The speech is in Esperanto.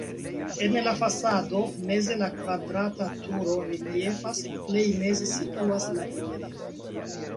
En la fasado meze la kvadrata turo reliefas, plej meze situas la enirejo.